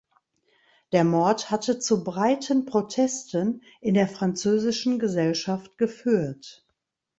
Der Mord hatte zu breiten Protesten in der französischen Gesellschaft geführt.